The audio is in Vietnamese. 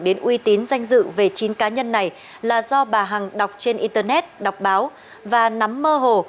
đến uy tín danh dự về chín cá nhân này là do bà hằng đọc trên internet đọc báo và nắm mơ hồ